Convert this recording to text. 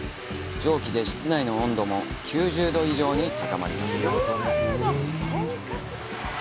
蒸気で室内の温度も９０度以上に高まります。